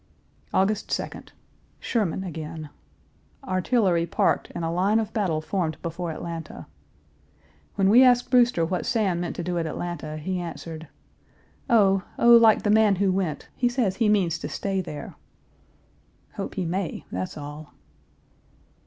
August 2d. Sherman again. Artillery parked and a line of battle formed before Atlanta. When we asked Brewster what Sam meant to do at Atlanta he answered, "Oh oh, like the man who went, he says he means to stay there!" Hope he may, that's all.